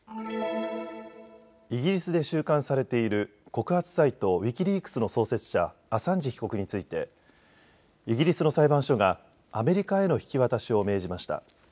イギリスで収監されている告発サイト、ウィキリークスの創設者、アサンジ被告についてイギリスの裁判所がアメリカへの引き渡しを命じました。